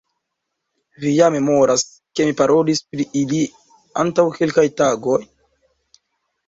Vi ja memoras, ke mi parolis pri ili antaŭ kelkaj tagoj?